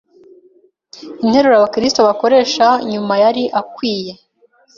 interuro abakristo bakoresha nyuma yari akwiye